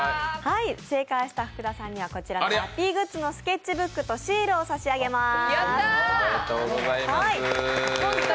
正解した福田さんにはラッピーグッズのスケッチブックとシールを差し上げます。